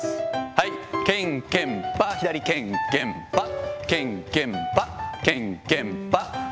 はい、けんけんぱ、左、けんけんぱ、けんけんぱ、けんけんぱ。